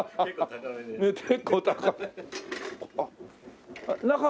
結構高めで。